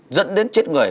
dẫn đến chết người